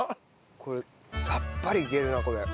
これさっぱりいけるなこれ。